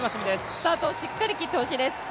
スタートをしっかり切ってほしいです。